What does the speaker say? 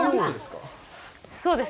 そうです。